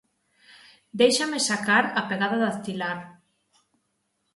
Déixame sacar a pegada dactilar.